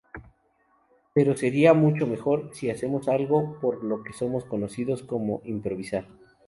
Pero sería mucho mejor si hacemos algo por lo que somos conocidos, como improvisar".